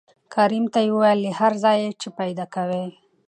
کريم ته يې وويل له هر ځايه چې پېدا کوې.